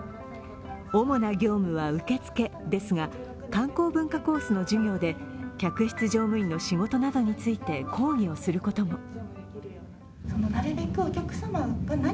主な業務は受付ですが、観光文化コースの授業で客室乗務員の仕事などについて講義をすることも。